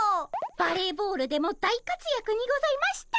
バレーボールでも大活躍にございました。